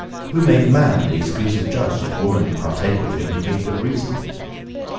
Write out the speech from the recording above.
Who made man the exclusive judge, if woman partake with him the gift of reason?